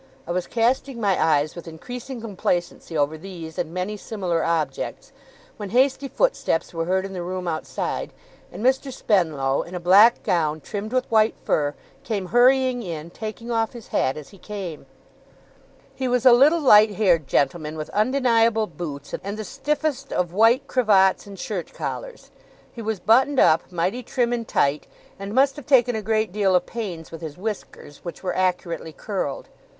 I was casting my eyes with increasing complacency over these and many similar objects, when hasty footsteps were heard in the room outside, and Mr. Spenlow, in a black gown trimmed with white fur, came hurrying in, taking off his hat as he came. He was a little light haired gentleman, with undeniable boots, and the stiffest of white cravats and shirt collars. He was buttoned up, mighty trim and tight, and must have taken a great deal of pains with his whiskers, which were accurately curled.